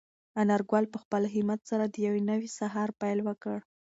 انارګل په خپل همت سره د یو نوي سهار پیل وکړ.